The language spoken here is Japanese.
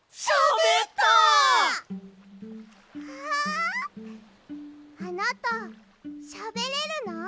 あなたしゃべれるの？